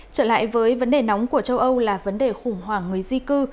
trở lại với vấn đề nóng của châu âu là vấn đề khủng hoảng người di cư